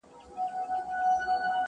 لا پخپله هم د بار په منځ کي سپور وو،